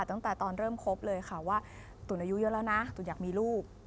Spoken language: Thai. ตั้งแต่ตอนเริ่มคบเลยค่ะว่าตุ๋นอายุเยอะแล้วนะตุ๋นอยากมีลูก